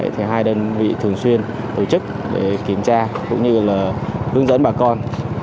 thì hai đơn vị thường xuyên tổ chức để kiểm tra cũng như là hướng dẫn bà con